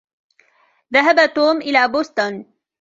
ذهب توم ألى بوسطن.